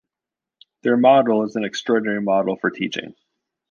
Their model is an extraordinary model for teaching.